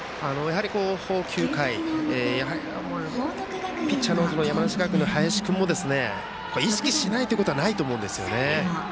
９回、ピッチャーの山梨学院の林君も意識しないということはないと思うんですね。